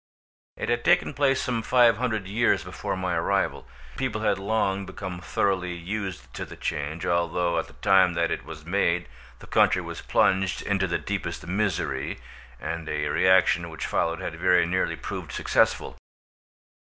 It had taken place some five hundred years before my arrival: people had long become thoroughly used to the change, although at the time that it was made the country was plunged into the deepest misery, and a reaction which followed had very nearly proved successful.